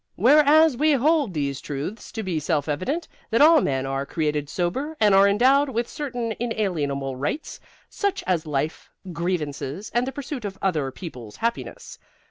WHEREAS we hold these truths to be self evident, that all men are created sober, and are endowed with certain inalienable rights, such as Life, Grievances, and the Pursuit of Other People's Happiness.